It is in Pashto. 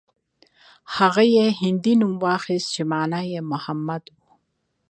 هغه يې هندي نوم واخيست چې مانا يې محمد و.